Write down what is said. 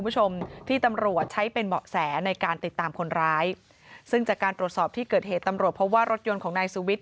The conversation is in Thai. จากการตรวจสอบที่เกิดเหตุตำรวจเพราะว่ารถยนต์ของนายสุวิทธิ์